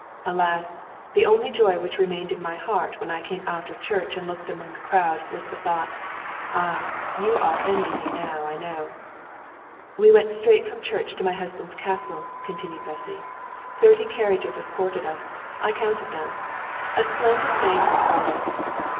Alas! the only joy which remained in my heart when I came out of church and looked among the crowd was the thought, 'Ah! you all envy me, I know!' "We went straight from church to my husband's castle," continued Bessy. "Thirty carriages escorted us. I counted them. A splendid banquet followed.